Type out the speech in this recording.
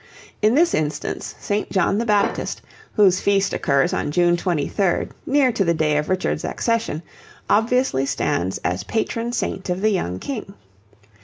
In this instance St. John the Baptist, whose feast occurs on June 23, near to the day of Richard's accession, obviously stands as patron saint of the young King.